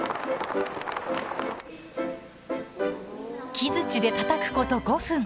木づちでたたくこと５分。